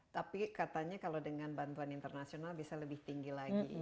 tapi katanya kalau dengan bantuan internasional bisa lebih tinggi lagi